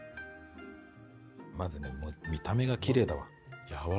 まずね見た目がきれいだわ。